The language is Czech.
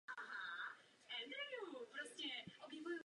Ve Francii operuje společnost prostřednictvím obchodního zastoupení.